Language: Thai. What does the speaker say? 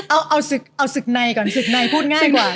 เอาศึกในก่อนศึกในพูดง่ายกว่า